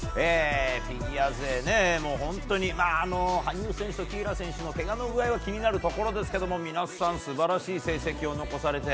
フィギュア勢、本当に羽生選手と紀平選手のけがの具合が気になるところですが皆さん素晴らしい成績を残されて。